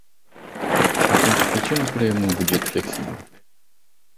Atunci de ce nu creăm un buget flexibil?